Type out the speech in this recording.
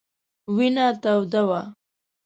وینه توده وه.